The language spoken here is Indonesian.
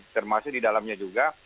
termasuk di dalamnya juga